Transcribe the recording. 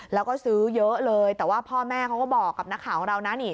แล้วก็ซื้อเยอะเลยแต่ว่าพ่อแม่เขาก็บอกกับนักข่าวของเรานะนี่